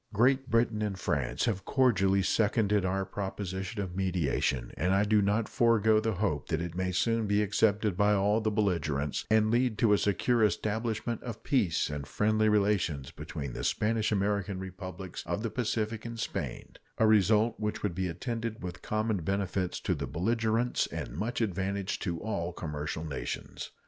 Great Britain and France have cordially seconded our proposition of mediation, and I do not forego the hope that it may soon be accepted by all the belligerents and lead to a secure establishment of peace and friendly relations between the Spanish American Republics of the Pacific and Spain a result which would be attended with common benefits to the belligerents and much advantage to all commercial nations.